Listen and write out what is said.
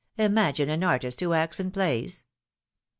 Imagine an artist who acts in plays